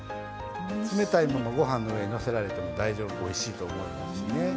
冷たいものご飯の上にのせられても大丈夫おいしいと思いますしね。